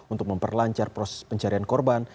untuk memperlancar proses pencarian korban